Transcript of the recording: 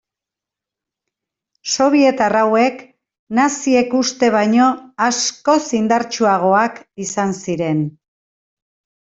Sobietar hauek naziek uste baino askoz indartsuagoak izan ziren.